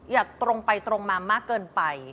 อย่างตรงไปตรงมามากเกินไป